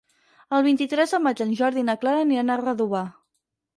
El vint-i-tres de maig en Jordi i na Clara aniran a Redovà.